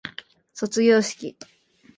卒業式